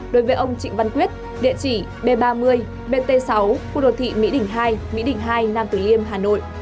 đối với ông trịnh văn quyết địa chỉ b ba mươi bt sáu khu đồ thị mỹ đỉnh hai mỹ đỉnh hai nam tử liêm hà nội